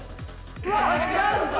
うわ違うんだ！